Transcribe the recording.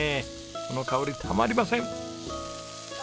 この香りたまりません！